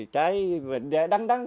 cái trái đắng đắng